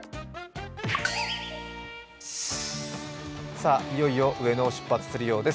さあ、いよいよ上野を出発するようです。